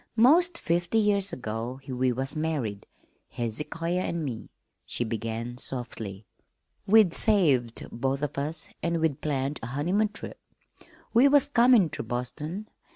"'Most fifty years ago we was married, Hezekiah an' me," she began softly. "We'd saved, both of us, an' we'd planned a honeymoon trip. We was comin' ter Boston.